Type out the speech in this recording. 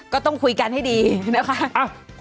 ก็ต้องคุยกันให้ดีนะคะ